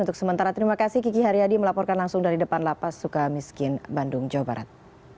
untuk sementara terima kasih kiki haryadi melaporkan langsung dari depan lapas suka miskin bandung jawa barat